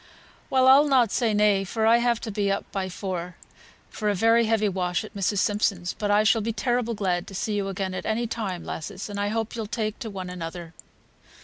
"Well, I'll not say nay, for I've to be up by four for a very heavy wash at Mrs. Simpson's; but I shall be terrible glad to see you again at any time, lasses; and I hope you'll take to one another."